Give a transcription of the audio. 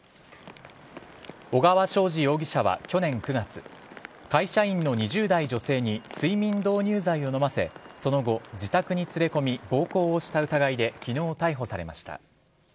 小川将司容疑者は去年９月会社員の２０代女性に睡眠導入剤を飲ませその後、自宅に連れ込み暴行した疑いで昨日、逮捕されました。